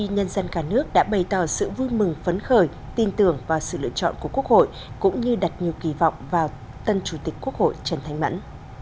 nhân dân cả nước đã bày tỏ sự vui mừng phấn khởi tin tưởng vào sự lựa chọn của quốc hội cũng như đặt nhiều kỳ vọng vào tân chủ tịch quốc hội trần thanh mẫn